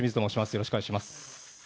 よろしくお願いします。